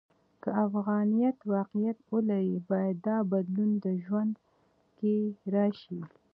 که افغانیت واقعیت ولري، باید دا بدلون د ژوند کې راشي.